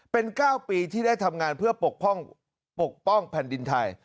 เป็น๙ปีที่ได้ทำงานเพื่อปกป้องแผ่นดินไทย